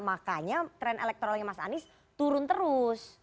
makanya tren elektoralnya mas anies turun terus